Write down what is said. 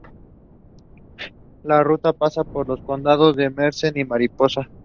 La ruta pasa por los condados de Merced y Mariposa.